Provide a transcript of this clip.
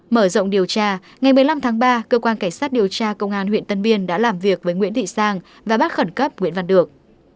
mở rộng điều tra ngày một mươi năm tháng ba cơ quan cảnh sát điều tra công an huyện tân biên đã làm việc với nguyễn thị sang và bắt khẩn cấp nguyễn văn được